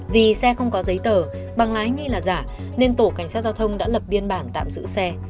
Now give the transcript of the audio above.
vì xe không có giấy tờ bằng lái nghi là giả nên tổ cảnh sát giao thông đã lập biên bản tạm giữ xe